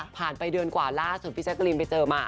ไปเดือนกว่าล่าสุดพี่แจ๊กรีนไปเจอมา